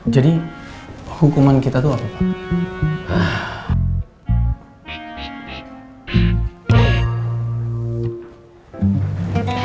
jadi hukuman kita tuh apa pak